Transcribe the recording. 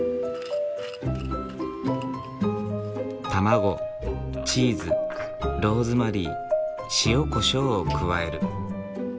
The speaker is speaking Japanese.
卵チーズローズマリー塩コショウを加える。